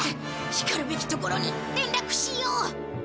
しかるべきところに連絡しよう。